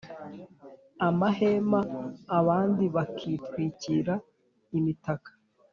amahema abandi bakitwikira imitaka